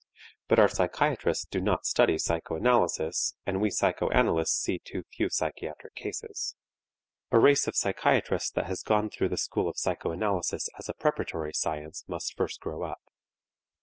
But our psychiatrists do not study psychoanalysis and we psychoanalysts see too few psychiatric cases. A race of psychiatrists that has gone through the school of psychoanalysis as a preparatory science most first grow up.